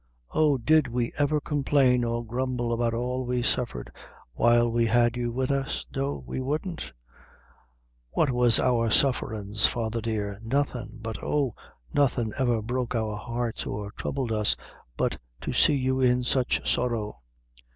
Oh, did we ever complain or grumble about all we suffered, while we had you wid us? no, we wouldn't. What was our sufferins, father, dear nothing. But, oh, nothing ever broke our hearts, or troubled us, but to see you in sich sorrow."